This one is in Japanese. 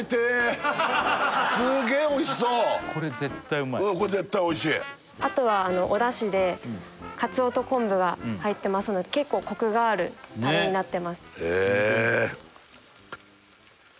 すげえおいしそうこれ絶対うまいこれ絶対おいしいあとはお出汁でカツオと昆布が入ってますので結構コクがあるタレになってますえ